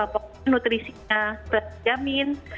pokoknya nutrisinya terjamin